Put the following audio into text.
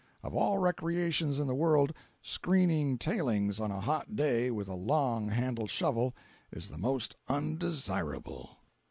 Of all recreations in the world, screening tailings on a hot day, with a long handled shovel, is the most undesirable.